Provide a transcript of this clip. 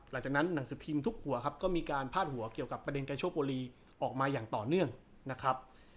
หลังจากนั้นหนังสือพิมพ์ทุกหัวครับก็มีการพาดหัวเกี่ยวกับประเด็นกาโชบุรีออกมาอย่างต่อเนื่องนะครับ